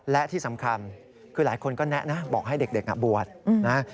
และที่สำคัญคือหลายคนก็แนะบอกให้เด็กบวชนะ